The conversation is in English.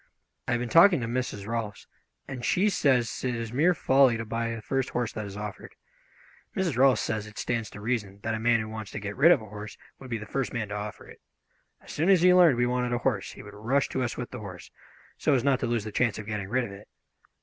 I have been talking to Mrs. Rolfs, and she says it is mere folly to buy the first horse that is offered. Mrs. Rolfs says it stands to reason that a man who wants to get rid of a horse would be the first man to offer it. As soon as he learned we wanted a horse he would rush to us with the horse, so as not to lose the chance of getting rid of it.